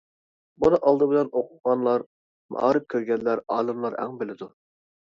بۇنى ئالدى بىلەن ئوقۇغانلار، مائارىپ كۆرگەنلەر، ئالىملار ئەڭ بىلىدۇ.